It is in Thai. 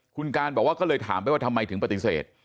คุณการบอกว่าก็เลยถามไปว่าทำไมถึงปฏิเสธ